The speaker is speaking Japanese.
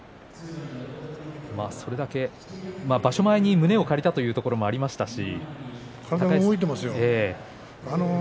場所前に胸を借りたということもありましたし。